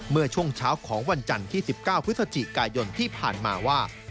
เมื่อช่วงเช้าของวันจันทร์ที่๑๙พฤศจิกายนที่ผ่านมาว่า